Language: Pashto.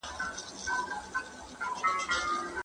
مهرباني وکړئ زموږ سره له ماڼۍ څخه ډګر ته وړاندي لاړ شئ.